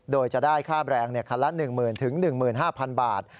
โดยจะได้ค่าแบรงคันละ๑๐๐๐๐ถึง๑๕๐๐๐บาท